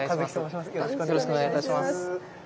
よろしくお願いします。